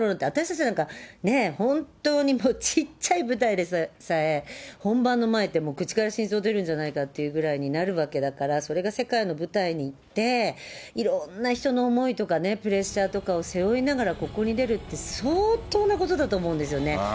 私たちなんかねえ、本当にちっちゃい舞台でさえ、本番の前って口から心臓出るんじゃないかってなるわけだから、それが世界の舞台に行って、いろんな人の思いとかね、プレッシャーとかを背負いながら、ここに出るって、相当なことだと思うんですよね。